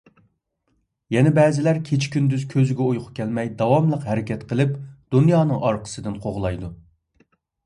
يەنە بەزىلەر كېچە-كۈندۈز كۆزىگە ئۇيقۇ كەلمەي داۋاملىق ھەرىكەت قىلىپ دۇنيانىڭ ئارقىسىدىن قوغلايدۇ.